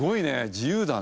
自由だね。